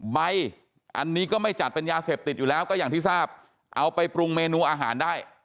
ใบอันนี้ก็ไม่จัดเป็นยาเสพติดอยู่แล้วก็อย่างที่ทราบเอาไปปรุงเมนูอาหารได้